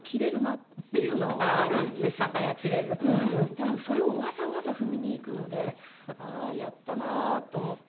でもそれをわざわざ踏みにいくのでああやったなと思って。